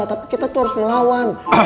tapi kita tuh harus melawan